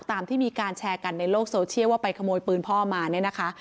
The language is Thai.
ตามที่มีการแชร์กันในโลกโซเชียลว่าไปขโมยปืนพ่อมาเนี่ยนะคะ